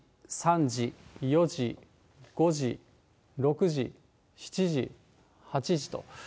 午後２時、３時、４時、５時、６時、７時、８時と。